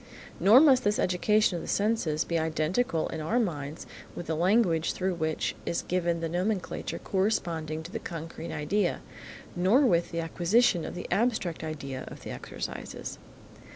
Nor must this education of the senses be identical in our minds with the language through which is given the nomenclature corresponding to the concrete idea, nor with the acquisition of the abstract idea of the exercises.